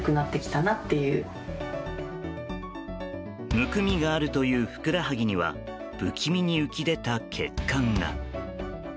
むくみがあるというふくらはぎには不気味に浮き出た血管が。